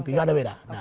tidak ada beda